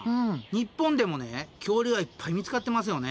日本でもね恐竜がいっぱい見つかってますよね。